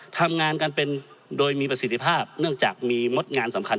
ทำงานกันเป็นโดยมีประสิทธิภาพเนื่องจากมีมดงานสำคัญ